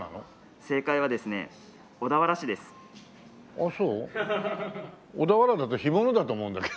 小田原だと干物だと思うんだけど。